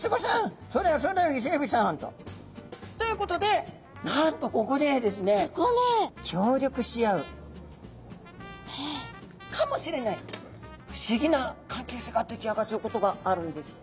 そうだよイセエビさん」と。ということでなんとここでですね協力し合うかもしれない不思議な関係性が出来上がっちゃうことがあるんです。